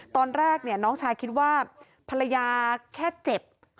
ตอนแรกน้องชายคิดว่าภรรยาแค่เจ็บ